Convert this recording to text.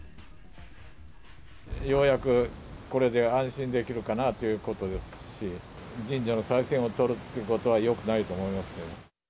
ようやくこれで安心できるかなということですし、神社のさい銭をとるってことはよくないと思います。